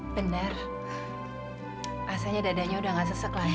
benar asalnya dadanya udah gak sesek lagi